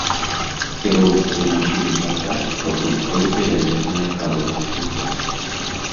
Кіроўцы мусілі чакаць, пакуль пройдзе вялізная калона птушак.